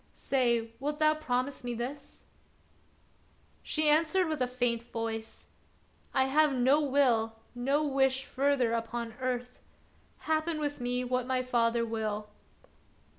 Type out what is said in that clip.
Say, wilt thou promise me this 1 " She answered with a faint voice: " I have no will, no wish further upon earth. Happen with me what my father will."